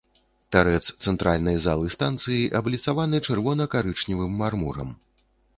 Тарэц цэнтральнай залы станцыі абліцаваны чырвона-карычневым мармурам.